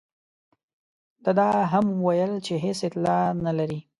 ده دا هم وویل چې هېڅ اطلاع نه لري.